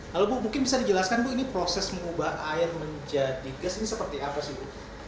lalu bu mungkin bisa dijelaskan bu ini proses mengubah air menjadi gas ini seperti apa sih bu